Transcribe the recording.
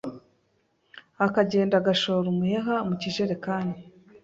Akagenda agashora umuheha mu kijerekani